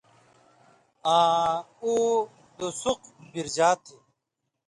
آں اُو (دُسُق) بِرژا تھی۔